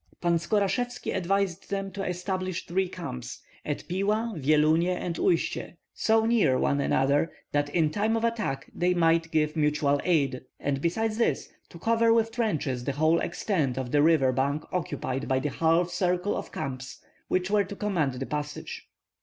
Pan Skorashevski advised then to establish three camps, at Pila, Vyelunie, and Uistsie, so near one another that in time of attack they might give mutual aid, and besides this to cover with trenches the whole extent of the river bank occupied by a half circle of camps which were to command the passage.